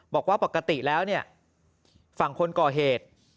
บอกว่าปกติแล้วเนี่ยฝั่งคนก่อเหตุ